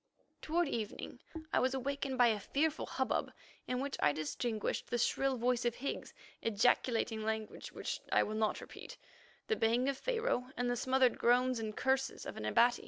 Toward evening I was awakened by a fearful hubbub, in which I distinguished the shrill voice of Higgs ejaculating language which I will not repeat, the baying of Pharaoh, and the smothered groans and curses of an Abati.